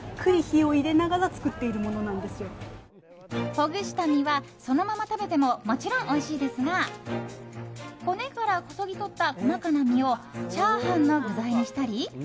ほぐした身はそのまま食べてももちろんおいしいですが骨からこそぎ取った細かな身をチャーハンの具材にしたり。